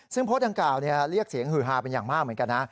ซึ่งโพสต์ดังกล่าวเรียกเสียงฮือฮาเป็นอย่างมากเหมือนกันนะ